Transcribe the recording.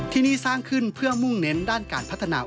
ที่นี่สร้างขึ้นเพื่อมุ่งเน้นด้านการพัฒนา